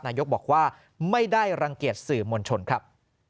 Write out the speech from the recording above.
นายกบอกว่าไม่ได้รังเกียจสื่อมวลชนครับ